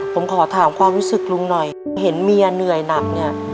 ตอนนั้นลุงหนึ่งหน่อยเห็นเมียเหนื่อยหนักเนี่ย